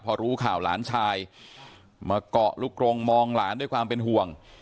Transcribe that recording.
พอรู้ข่าวหลานชายมาเกาะลูกกรงมองหลานด้วยความเป็นห่วง